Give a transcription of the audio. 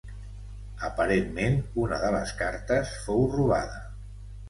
Aparentment una de les cartes fou robada.